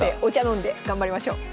飲んで頑張りましょう。